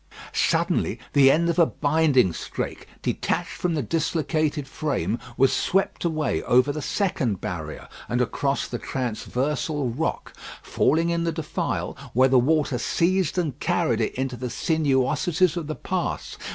Suddenly the end of a binding strake, detached from the dislocated frame, was swept away over the second barrier and across the transversal rock, falling in the defile, where the water seized and carried it into the sinuosities of the pass.